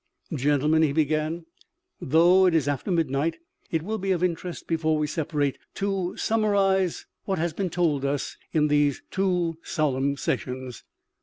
" Gentlemen," he began, " although it is after midnight, it will be of interest, before we separate, to. summarize what has been told us in these two solemn sessions.